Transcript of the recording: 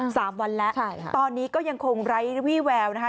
๑๘๑๙๒๐สามวันแล้วตอนนี้ก็ยังคงไร้วี่แววนะครับ